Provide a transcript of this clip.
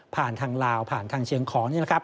ผ่านทางลาวผ่านทางเชียงของนี่นะครับ